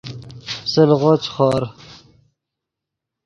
سلغو چے خور